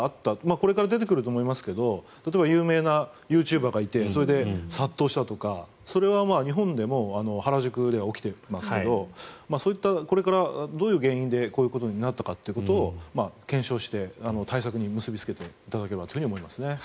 これから出てくると思いますが例えば、有名なユーチューバーがいて殺到したとかそれは日本でも原宿では起きていますがそういったこれからどういう原因でこういうことになったかということを検証して、対策に結びつけていただければと思います。